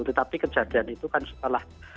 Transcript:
tetapi kejadian itu kan setelah